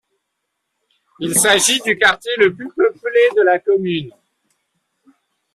Il s'agit du quartier le plus peuplé de la commune.